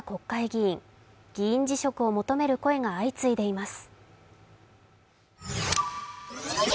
議員辞職を求める声が相次いでいます。